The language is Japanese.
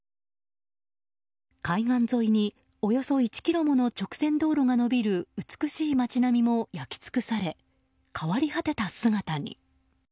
海岸沿いにおよそ１ｋｍもの直線道路が延びる美しい街並みも焼き尽くされ変わり果てた姿に。